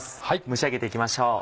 蒸し上げて行きましょう。